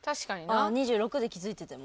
２６で気付いてても。